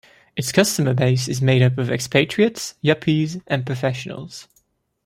Its customer base is made up of expatriates, yuppies and professionals.